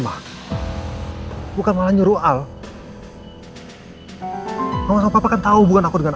jadi semoga tahun depan renna bisa full